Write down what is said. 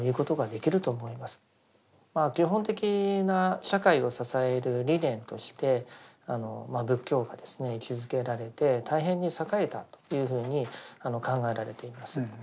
基本的な社会を支える理念として仏教が位置づけられて大変に栄えたというふうに考えられています。